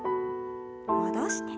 戻して。